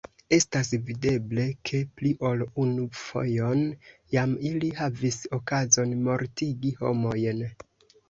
Estas videble, ke pli ol unu fojon jam ili havis okazon mortigi homojn!